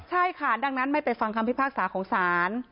ใช่ค่ะดังนั้นไม่ไปฟังคำพิพากษาของศาล